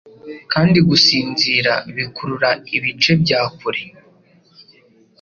Kandi gusinzira bikurura ibice bya kure: